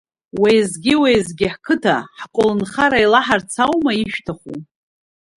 Уеизгьы-уеизгьы ҳқыҭа, ҳколнхара еилаҳарц аума ишәҭаху?